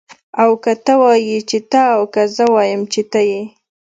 او که ته ووايي چې ته او که زه ووایم چه ته يې